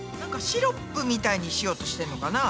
シロップみたいにしようとしてんのかな？